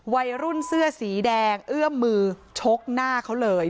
วัยรุ่นเสื้อสีแดงเอื้อมมือชกหน้าเขาเลย